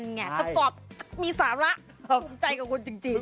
คำตอบมีสาระภูมิใจกับคุณจริง